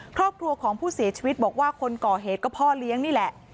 ครอบครัวของผู้เสียชีวิตบอกว่าคนก่อเหตุก็พ่อเลี้ยงนี่แหละ